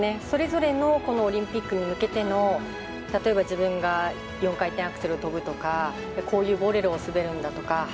それぞれのオリンピックに向けての例えば自分が４回転アクセルを跳ぶとかこういうボレロを滑るんだとか。